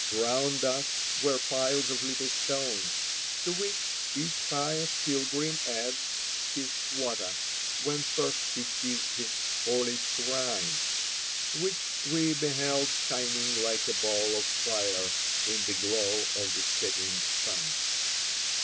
Around us were piles of little stones, to which each pious pilgrim adds his quota when first he sees the "Holy Shrine," which we beheld shining like a ball of fire in the glow of the setting sun.